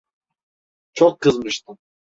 Çok kızmıştım.